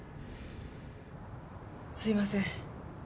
すいません